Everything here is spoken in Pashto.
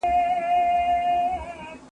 تاسو په موزیلا کې څو جملې ثبت کړي دي؟